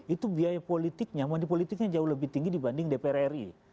itu biaya politiknya money politiknya jauh lebih tinggi dibanding dpr ri